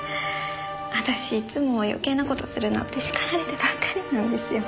私いつも余計な事するなって叱られてばっかりなんですよ。